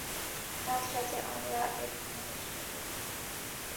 আজ রাতে আমরা এটা নিয়ে আলোচনা করব না।